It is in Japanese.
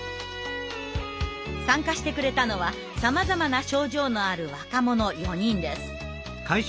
参加してくれたのはさまざまな症状のある若者４人です。